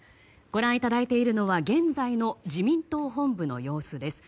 ご覧いただいているのは現在の自民党本部の様子です。